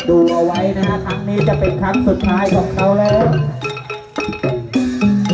ดูเอาไว้นะฮะครั้งนี้จะเป็นครั้งสุดท้ายของเขาแล้ว